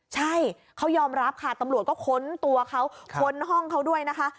ใช่เขายอมรับค่ะตำรวจก็ค้นตัวเขาค้นห้องเขาด้วยนะคะ